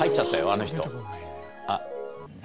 あの人。